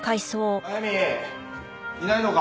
速水いないのか？